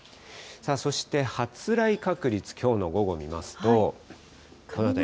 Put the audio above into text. そして、発雷確率、きょうの午後、見ますと。